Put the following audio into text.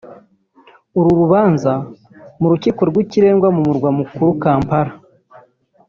uru rubanza mu Rukiko rw’Ikirenga mu murwa mukuru Kampala